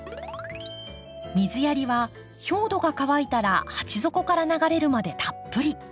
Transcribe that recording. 水やりは表土が乾いたら鉢底から流れるまでたっぷり。